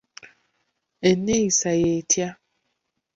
Enneeyisa y'etya?